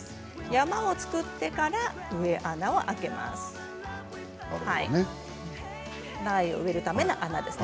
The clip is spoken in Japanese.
山を作ってから穴を開けるんです。